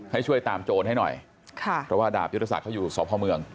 ให้ช่วยตามโจรให้หน่อยค่ะเพราะว่าดาบยุทธศักดิ์เขาอยู่สพเมือง